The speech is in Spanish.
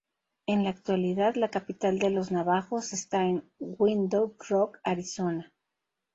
En la actualidad, la capital de los navajos está en Window Rock, Arizona.